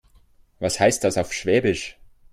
Was heißt das auf Schwäbisch?